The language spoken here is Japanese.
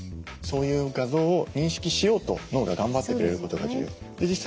そういう画像を認識しようと脳が頑張ってくれることが重要。